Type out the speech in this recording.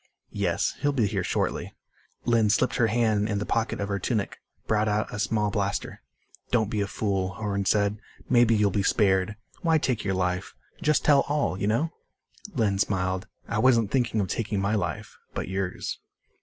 "Yes. He'll be here shortly." Lynn slipped her hand in the pocket of her tunic, brought out a small blaster. "Don't be a fool," Horn said. "Maybe you'll be spared. Why take your life? Just tell all you know?" Lynn smiled. "I wasn't thinking of taking my life. But yours."